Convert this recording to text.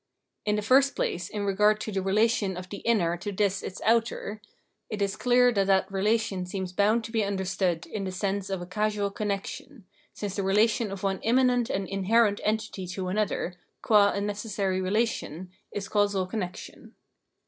In the first place in regard to the relation of the inner to this its outer, it is clear that that relation seems boimd to be understood in the sense of a causal con nection, since the relation of one immanent and in herent entity to another, qua a necessary relation, is causal connection.